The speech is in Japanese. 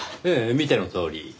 ええ見てのとおり。